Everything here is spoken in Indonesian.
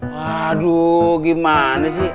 waduh gimana sih